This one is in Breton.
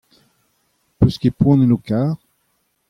n'ho peus ket poan en ho kar.